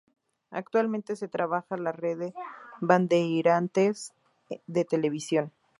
Actualmente se trabaja la Rede Bandeirantes de Televisión.